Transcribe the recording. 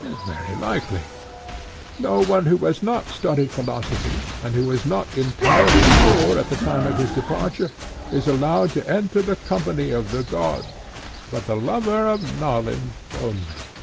Very likely. No one who has not studied philosophy and who is not entirely pure at the time of his departure is allowed to enter the company of the Gods, but the lover of knowledge only.